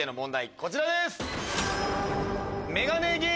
こちらです。